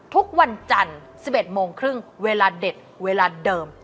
ทุกวันจันทร์๑๑โมงครึ่งเวลาเด็ดเวลาเดิม